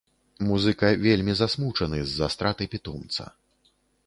Музыка вельмі засмучаны з-за страты пітомца.